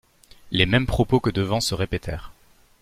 Les mêmes propos que devant se répétèrent.